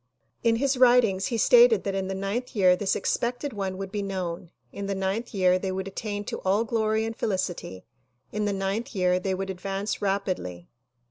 In his writings he stated that in the ninth year this expected one would be known; in the ninth year they would attain to all glory and felicity; in the ninth year they would advance rapidly.